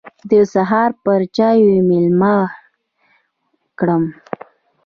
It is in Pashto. د سهار پر چايو مېلمه کړم.